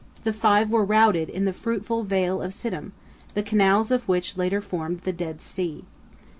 The five were routed in the fruitful Vale of Siddim, the canals of which later formed the Dead Sea.